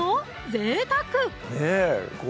ぜいたく！